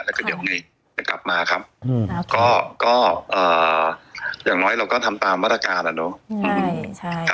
แล้วก็เดี๋ยวมีจะกลับมาครับก็อย่างน้อยเราก็ทำตามมาตรการอ่ะเนอะ